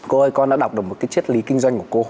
cô ơi con đã đọc được một cái chết lý kinh doanh của cô